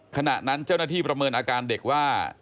ขณะนั้นเจ้าหน้าที่ประเมินอาการเด็กว่า